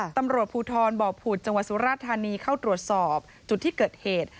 ตำรวจภูทรบ่อผุดจังหวัดสุราธานีเข้าตรวจสอบจุดที่เกิดเหตุ